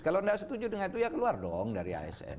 kalau tidak setuju dengan itu ya keluar dong dari asn